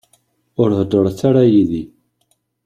Ur heddṛet ara yid-i.